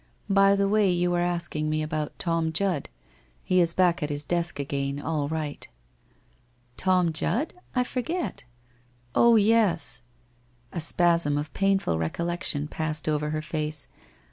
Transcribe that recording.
By the way you were asking me about Tom Judd? He is back at his desk again, all right.' ' Tom Judd ? I forget ? Oh, yes ' A spasm of painful recollection passed over her face.